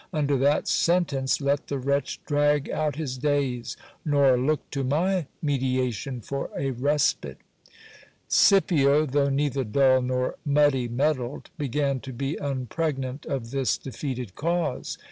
Under that sentence let the wretch drag out his days, nor look to my mediation for a respite. Scipio, though neither dull nor muddy mettled, began to be unpregnant of this defeated cause.